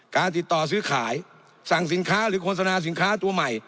การติดต่อซื้อขายสั่งสินค้าหรือโฆษณาสินค้าตัวใหม่